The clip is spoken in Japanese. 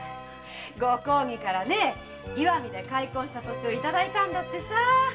ご公儀から石見で開墾した土地をいただいたんだって。